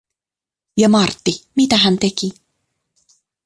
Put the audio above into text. Ja Martti, mitä hän teki?